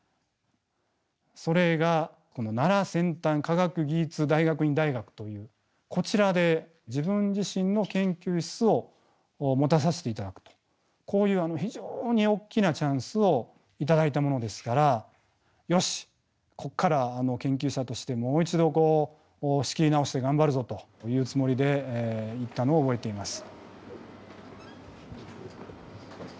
それが奈良先端科学技術大学院大学というこちらで自分自身の研究室を持たさせて頂くとこういう非常に大きなチャンスを頂いたものですからよしここから研究者としてもう一度仕切り直して頑張るぞというつもりで行ったのを覚えています。